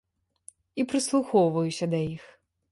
І прыслухоўваюся да іх.